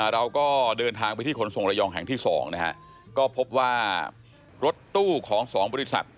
เราก็เดินทางไปที่ขนส่งระยองแห่งที่๒นะฮะก็พบว่ารถตู้ของ๒บริษัท